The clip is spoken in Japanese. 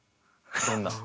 どんな？